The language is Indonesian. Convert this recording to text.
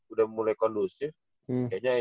udah mulai kondusif kayaknya